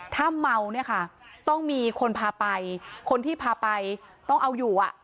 ถ้าเมาต้องมีคนพาไปคนที่พาไปต้องเอาอยู่